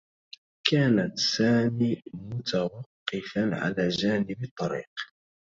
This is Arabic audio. كانت سامي متوقّفا على جانب الطّريق.